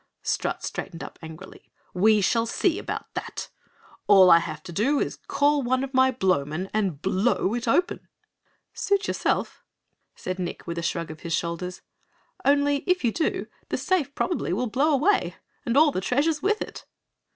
Strut straightened up angrily, "We shall see about that. All I have to do is call one of my Blowmen and BLOW it open." "Suit yourself," said Nick, with a shrug of his shoulders. "Only if you do, the safe probably will blow away and all the treasures with it!"